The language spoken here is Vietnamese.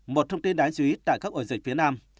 một thông tin đáng chú ý tại các ổ dịch phía nam